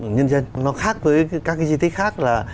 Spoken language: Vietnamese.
nhân dân nó khác với các cái di tích khác là